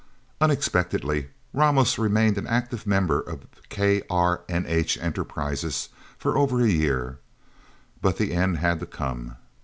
Unexpectedly, Ramos remained an active member of KRNH Enterprises for over a year. But the end had to come.